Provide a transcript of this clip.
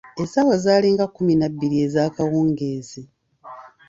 Essaawa zaalinga kkuminabbiri ez'akawungeezi.